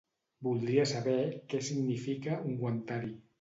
Voldria saber què significa ungüentari.